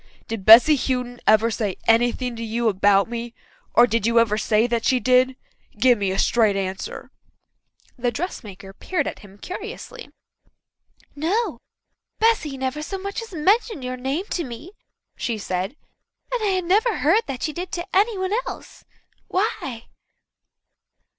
Did Bessy Houghton ever say anything to you about me or did you ever say that she did? Give me a straight answer." The dressmaker peered at him curiously. "No. Bessy never so much as mentioned your name to me," she said, "and I never heard that she did to anyone else. Why?"